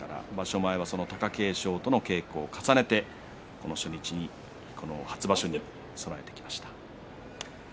前は貴景勝との稽古を重ねてこの初日、初場所に合わせてきました。